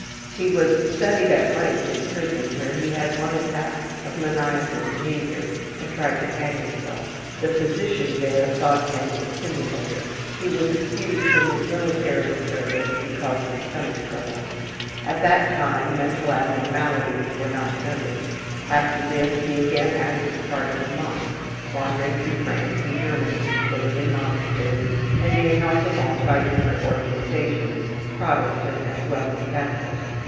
He was studied at length in prison where he had one attack of maniacal behavior and tried to hang himself. The physician there thought him a simulator. He was excused from his military service because of stomach trouble. At that time mental abnormalities were not noticed. After this he again acted the part of a monk, wandering through France and Germany, living in monasteries, and being helped along by different organizations, Protestant as well as Catholic.